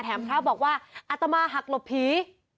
พระบอกว่าอัตมาหักหลบผี